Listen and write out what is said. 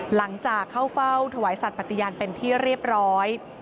หลังจากเข้าเฝ้าถวายสัตว์ปฏิญาณเป็นที่เรียบร้อย